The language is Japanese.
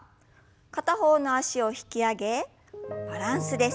片方の脚を引き上げバランスです。